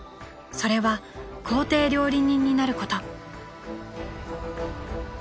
［それは公邸料理人になること］